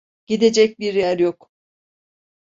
Gidecek bir yer yok.